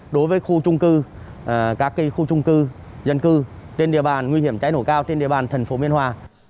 đối với khu trung cư các khu trung cư dân cư trên địa bàn nguy hiểm cháy nổ cao trên địa bàn thành phố biên hòa